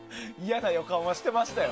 嫌な予感はしてましたよ。